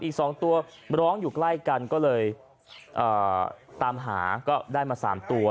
อีก๒ตัวร้องอยู่ใกล้กันก็เลยตามหาก็ได้มา๓ตัว